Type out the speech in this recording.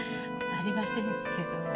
ありませんけど。